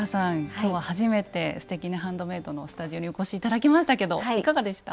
今日は初めて「すてきにハンドメイド」のスタジオにお越し頂きましたけどいかがでした？